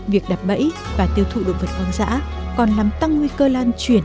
việc đặt bẫy và tiêu thụ động vật hoang dã còn làm tăng nguy cơ lan truyền các bệnh chuyển